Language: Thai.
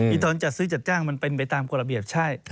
ตอนจัดซื้อจัดจ้างมันเป็นไปตามกฎระเบียบใช่